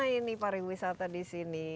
karena ini pariwisata di sini